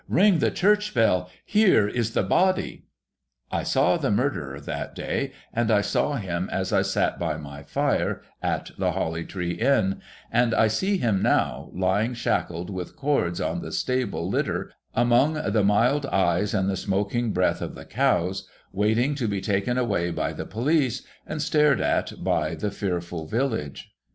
Ring the church bell ! Here is the body !' I saw the murderer that day, and I saw him as I sat by my fire at the Holly Tree Inn, and I see him now, lying shackled with cords on the stable litter, among the mild eyes and the smoking breath of the cows, waiting to be taken away by the police, and stared at by the fearful village.